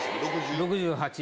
６８。